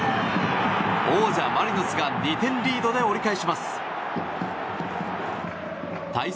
王者マリノスが２点リードで折り返します。